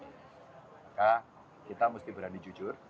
maka kita mesti berani jujur